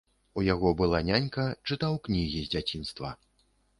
У яго была нянька, чытаў кнігі з дзяцінства.